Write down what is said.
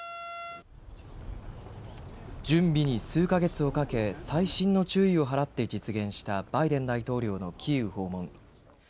準備に数か月をかけ、細心の注意を払って実現したバイデン大統領のキーウ訪問。